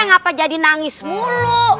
ngapa jadi nangis mulu